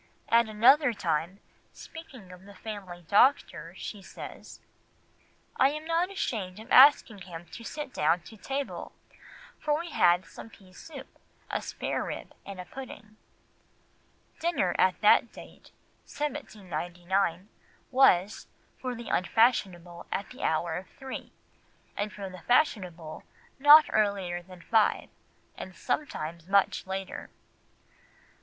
At another time, speaking of the family doctor, she says— "I was not ashamed of asking him to sit down to table, for we had some pease soup, a sparerib, and a pudding." Dinner at that date (1799) was, for the unfashionable, at the hour of three, and for the fashionable not earlier than five, and sometimes much later.